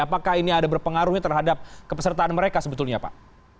apakah ini ada berpengaruhnya terhadap kepesertaan mereka sebetulnya pak